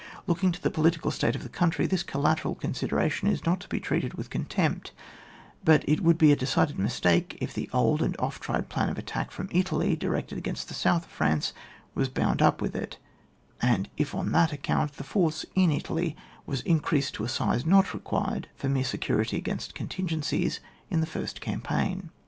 Looking to the political state of the country, this collateral con sideration is not to be treated with con tempt ; but it would be a decided mistake if the old and oft tried plan of an attack from Italy, directed against the South of France, was bound up with it, and if on that account the force in Italy was in creased to a size not required for mere security against contingencies in the first campaign.